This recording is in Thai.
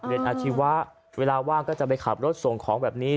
อาชีวะเวลาว่างก็จะไปขับรถส่งของแบบนี้